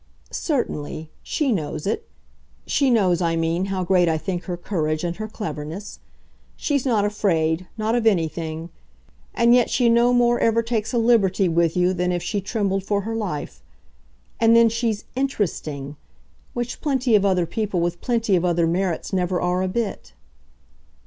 "Certainly she knows it. She knows, I mean, how great I think her courage and her cleverness. She's not afraid not of anything; and yet she no more ever takes a liberty with you than if she trembled for her life. And then she's INTERESTING which plenty of other people with plenty of other merits never are a bit."